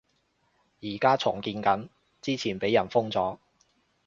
而家重建緊，之前畀人封咗